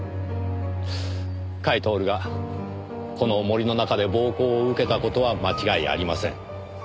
甲斐享がこの森の中で暴行を受けた事は間違いありません。